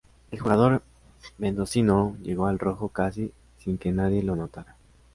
El jugador mendocino llegó al rojo casi sin que nadie lo notara.